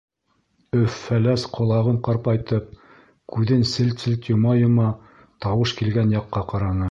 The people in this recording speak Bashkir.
Өф-Фәләс ҡолағын ҡарпайтып, күҙен селт-селт йома-йома тауыш килгән яҡҡа ҡараны.